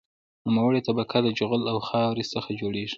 نوموړې طبقه د جغل او خاورې څخه جوړیږي